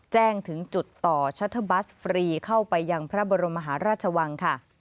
แจ้งถึงจุดต่อชัตเทอร์บัสฟรีเข้าไปยังพระบรมมหาราชวังค่ะ